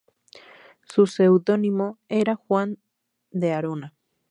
Su seudónimo era Juan de Arona.